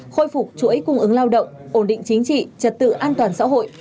khôi phục chuỗi cung ứng lao động ổn định chính trị trật tự an toàn xã hội